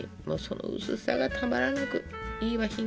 もうその薄さがたまらなくいいわ。